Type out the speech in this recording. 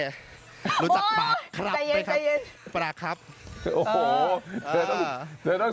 ตรงนี้จากปากผมปลากมาครับโอ้โฮเธอเราต้อง